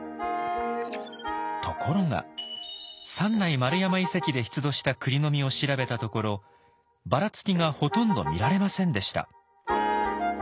ところが三内丸山遺跡で出土したクリの実を調べたところばらつきがほとんど見られませんでした。